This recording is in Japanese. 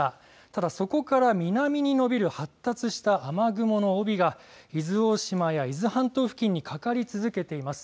ただ、そこから南に伸びる発達した雨雲の帯が伊豆大島や伊豆半島付近にかかり続けています。